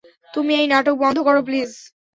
তুমি এই নাটক বন্ধ করো প্লিজ!